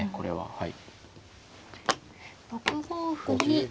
はい。